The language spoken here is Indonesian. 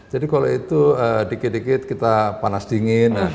kalau itu dikit dikit kita panas dingin